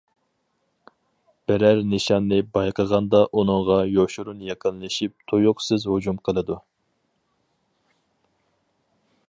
بىرەر نىشاننى بايقىغاندا ئۇنىڭغا يوشۇرۇن يېقىنلىشىپ تۇيۇقسىز ھۇجۇم قىلىدۇ.